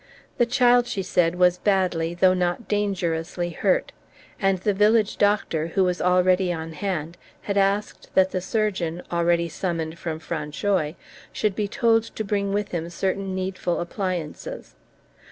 The child, she said, was badly, though not dangerously, hurt, and the village doctor, who was already on hand, had asked that the surgeon, already summoned from Francheuil, should be told to bring with him certain needful appliances.